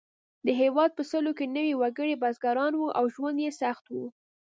د هېواد په سلو کې نوي وګړي بزګران وو او ژوند یې سخت و.